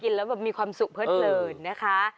กินแล้วแบบมีความสุขเพิ่งเผลอนะคะ